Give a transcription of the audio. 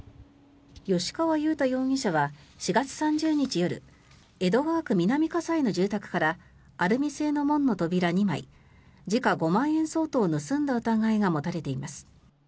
吉川勇大容疑者は４月３０日夜江戸川区南葛西の住宅からアルミ製の門の扉２枚時価５万円相当を盗んだ疑いが持たれています。